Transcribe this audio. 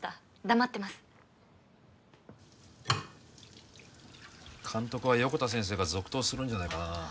黙ってます監督は横田先生が続投するんじゃないかな